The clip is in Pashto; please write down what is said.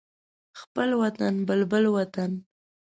خپل وطن بلبل وطن